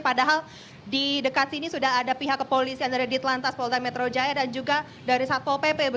padahal di dekat sini sudah ada pihak kepolisian dari ditelantas polda metro jaya dan juga dari satpol pp